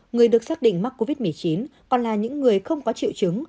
người được xác định mắc covid một mươi chín còn là những người không có triệu chứng